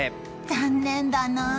残念だなあ。